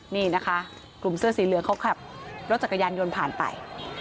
นี่นะคะกลุ่มเสื้อสีเหลืองเขาขับรถจักรยานยนต์ผ่านไป